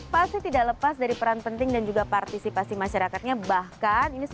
pasti tidak lepas dari peran penting dan juga partisipasi masyarakatnya bahwa ini gue kira ini kira